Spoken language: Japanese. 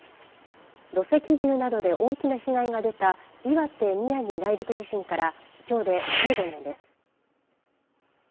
土石流などで大きな被害が出た岩手・宮城内陸地震からきょうで１５年です。